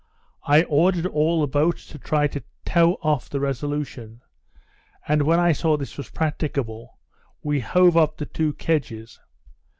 I ordered all the boats to try to tow off the Resolution; and when I saw this was practicable, we hove up the two kedges.